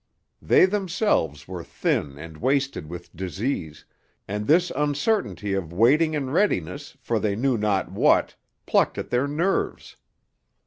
They themselves were thin and wasted with disease, and this uncertainty of waiting in readiness for they knew not what plucked at their nerves.